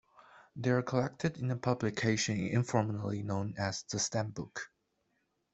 They are collected in a publication informally known as the "Stem Book".